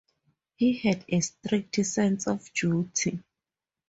He had a strict sense of duty.